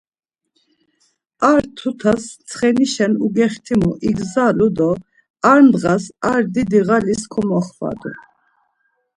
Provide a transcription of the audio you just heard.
Ar tutas ntsxenişen ugextimu igzalu do ar ndğas ar didi ğalis komoxvadu.